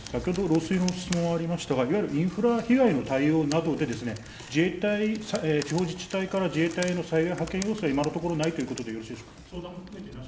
漏水の質問がありましたがインフラ被害の対応などで地方自治体から自衛隊への派遣要請は今のところないということでよろしいですか。